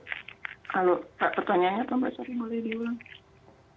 halo pak pertanyaannya apa mbak